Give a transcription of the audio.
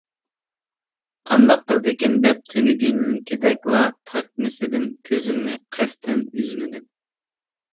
قانداق قىلىدىكىن دەپ، تۈنۈگۈنكىدەكلا تارتمىسىدىن كۆزۈمنى قەستەن ئۈزمىدىم.